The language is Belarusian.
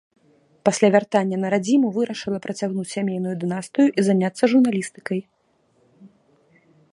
Пасля вяртання на радзіму вырашыла працягнуць сямейную дынастыю і заняцца журналістыкай.